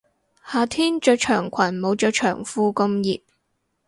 夏天着長裙冇着長褲咁熱